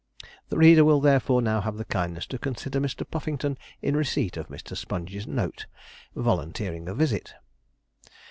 The reader will therefore now have the kindness to consider Mr. Puffington in receipt of Mr. Sponge's note, volunteering a visit.